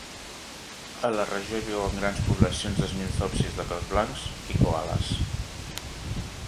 A la regió hi viuen grans poblacions d'sminthopsis de peus blancs i koales.